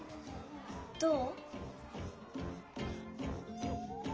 どう？